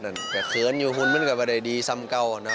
แค่เขินอยู่หุ่นมันก็ไม่ได้ดีซ้ำเก่านะ